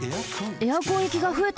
エアコンいきがふえた。